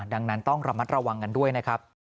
ดังนั้นต้องระมัดระวังกันด้วยนะครับ